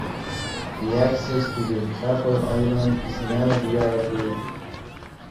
The access to the chapel island is now via a bridge.